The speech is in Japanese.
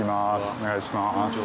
お願いします。